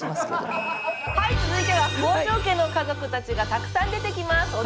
はい続いては北条家の家族たちがたくさん出てきます！